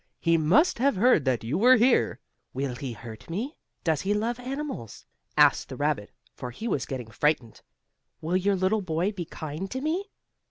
"He must have heard that you were here." "Will he hurt me? Does he love animals?" asked the rabbit, for he was getting frightened. "Will your little boy be kind to me?"